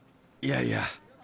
いやいや。